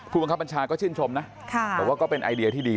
บังคับบัญชาก็ชื่นชมนะบอกว่าก็เป็นไอเดียที่ดี